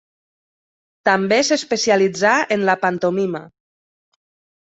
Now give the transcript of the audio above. També s'especialitzà en la pantomima.